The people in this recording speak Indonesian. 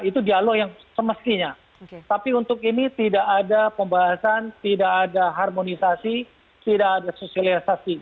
itu dialog yang semestinya tapi untuk ini tidak ada pembahasan tidak ada harmonisasi tidak ada sosialisasi